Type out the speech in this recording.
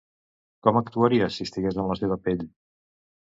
Com actuaria si estigués en la seva pell?